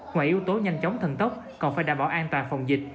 ngoài yếu tố nhanh chóng thần tốc còn phải đảm bảo an toàn phòng dịch